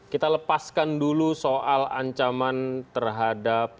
kita lepaskan dulu soal ancaman terhadap